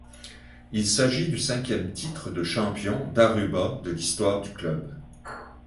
Il s’agit du cinquième titre de champion d'Aruba de l’histoire du club.